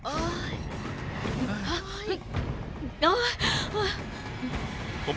ผมดูนี่นะครับ